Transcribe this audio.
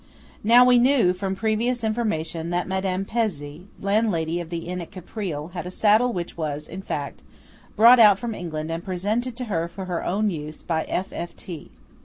Now we knew from previous information that Madame Pezzé, landlady of the inn at Caprile, had a saddle which was, in fact, brought out from England and presented to her for her own use by F.F.T.